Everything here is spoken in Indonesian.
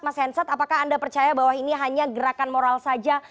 mas hensat apakah anda percaya bahwa ini hanya gerakan moral saja